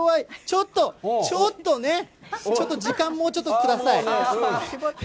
ちょっと、ちょっとね、ちょっと時間もうちょっとください。